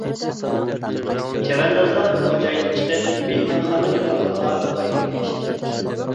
چەۋەندازلار بۇ جايدىن چىقىپ، مېھمانخانا ياتاقلىرىغا قايتىپ كېلىشتى.